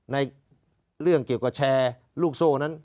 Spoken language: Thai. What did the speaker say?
ในเรื่องเกี่ยวกับแชร์ลูกโซ่นั้น